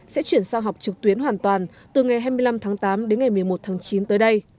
sẽ chuyển sang học trực tuyến hoàn toàn từ ngày hai mươi năm tháng tám đến ngày một mươi một tháng chín tới đây